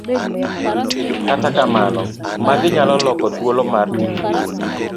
kata kamano, magi nyalo loko thuolo mar tijgi